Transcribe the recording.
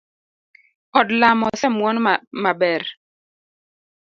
Od lamo osemwon maber.